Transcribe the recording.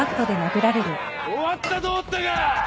終わったと思ったか！